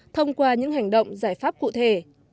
thông qua những hành động giải pháp cụ thể